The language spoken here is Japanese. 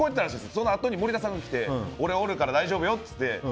そのあと森田さんが来て俺、おるから大丈夫よって。